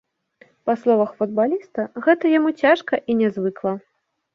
Па словах футбаліста, гэта яму цяжка і нязвыкла.